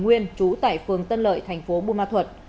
nguyên trú tại phường tân lợi thành phố bùn ma thuật